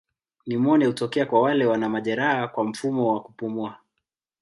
Nimonia hutokea kwa wale wana majeraha kwa mfumo wa kupumua.